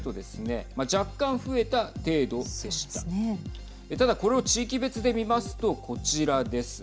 ただ、これを地域別で見ますとこちらです。